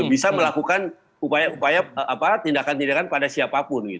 bisa melakukan tindakan tindakan pada siapapun